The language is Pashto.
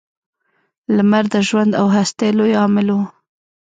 • لمر د ژوند او هستۍ لوی عامل و.